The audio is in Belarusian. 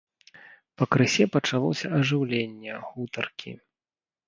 Пакрысе пачалося ажыўленне, гутаркі.